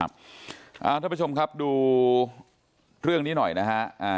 ท่านผู้ชมครับดูเรื่องนี้หน่อยนะฮะ